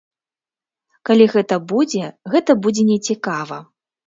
Калі гэта будзе, гэта будзе нецікава.